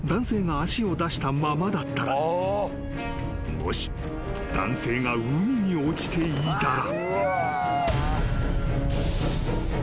［もし男性が海に落ちていたら］